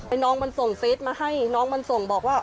น้องมันส่งเฟสมาให้น้องมันส่งบอกว่า